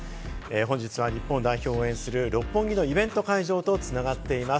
本日は日本代表を応援する六本木のイベント会場と繋がっています。